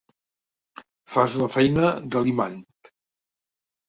Fas la feina de l'imant.